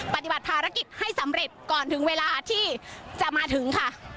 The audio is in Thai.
ปฏิบัติภารกิจให้สำเร็จก่อนถึงเวลาที่จะมาถึงค่ะ